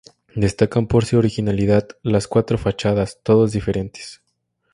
Destacan por su originalidad las cuatro fachadas, todas diferentes.